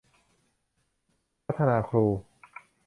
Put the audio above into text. พัฒนาครู